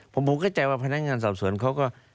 ผมเข้าใจว่าพนักงานสอบสวนเขาก็